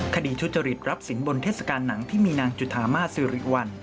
คดีทุจริตรับสินบนเทศกาลหนังที่มีนางจุธามาสิริวัล